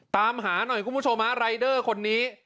ตามหาหน่อยคุณผู้ชมฮะรายเดอร์คนนี้